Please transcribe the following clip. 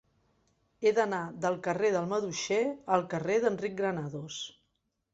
He d'anar del carrer del Maduixer al carrer d'Enric Granados.